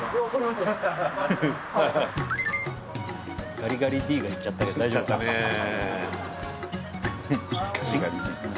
ガリガリＤが行っちゃったけど大丈夫かな。